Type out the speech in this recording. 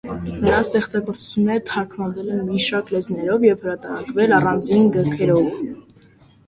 Նրա ստեղծագործությունները թարգմանվել են մի շարք լեզուներով և հրատարակվել առանձին գքերով։